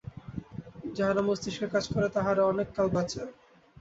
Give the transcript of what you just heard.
যাহারা মস্তিষ্কের কাজ করে, তাহারা অনেক কাল বাঁচে।